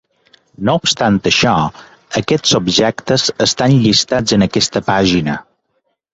No obstant això, aquests objectes estan llistats en aquesta pàgina.